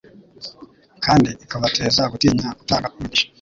kandi ikabateza gutinya utanga umugisha.